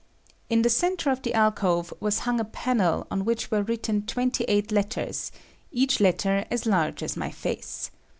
In the center of the alcove was hung a panel on which were written twenty eight letters, each letter as large as my face.